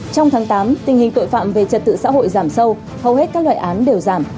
trong tháng tám tình hình tội phạm về trật tự xã hội giảm sâu hầu hết các loại án đều giảm